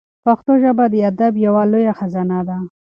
پښتو ژبه د ادب یوه لویه خزانه ده.